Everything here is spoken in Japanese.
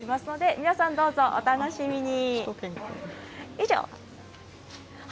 中継しますので、皆さん、どうぞお楽しみに。